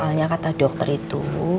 soalnya kata dokter itu